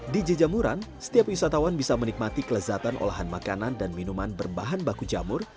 di jejamuran setiap wisatawan bisa menikmati kelezatan olahan makanan dan minuman berbahan baku jamur